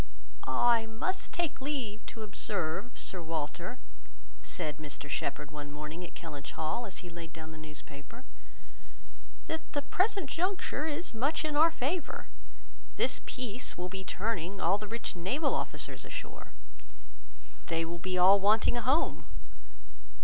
"I must take leave to observe, Sir Walter," said Mr Shepherd one morning at Kellynch Hall, as he laid down the newspaper, "that the present juncture is much in our favour. This peace will be turning all our rich naval officers ashore. They will be all wanting a home.